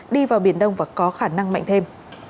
đi vào biển đông và có khả năng mạnh thêm